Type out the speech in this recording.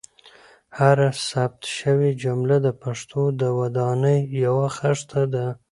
هره ثبت شوې جمله د پښتو د ودانۍ یوه خښته ده.